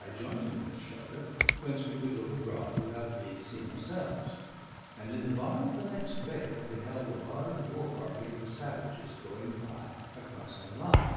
I joined him in this shelter, whence we could look abroad without being seen ourselves; and in the bottom of the next vale beheld a large war party of the savages going by across our line.